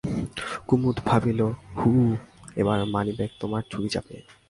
কুমুদ ভাবিল, হু, এবার মানিব্যাগ তোমার চুরি যাবে!